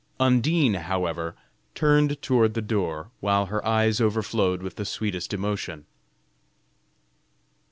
Undine, however, turned toward the door, while her eyes overflowed with the sweetest emotion.